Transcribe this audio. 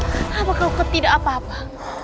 merah kenapa kau ketidak apa apa